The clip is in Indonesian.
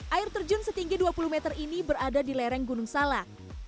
air terjun setinggi dua puluh meter ini berada di lereng gunung salak